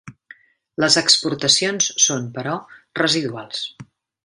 Les exportacions són, però, residuals.